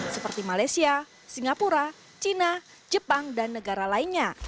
seperti malaysia singapura cina jepang dan negara lainnya